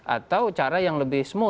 atau cara yang lebih smoot